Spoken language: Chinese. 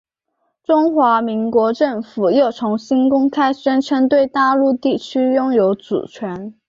中华民国政府又重新公开宣称对大陆地区拥有主权。